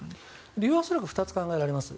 理由は恐らく２つ考えられます。